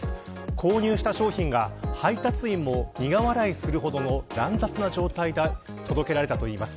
購入した商品が配達員も苦笑いするほどの乱雑な状態で届けられたといいます。